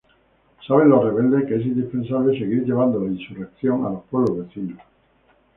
Saben los rebeldes que es indispensable seguir llevando la insurrección a los pueblos vecinos.